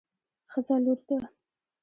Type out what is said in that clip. ښځه لور ده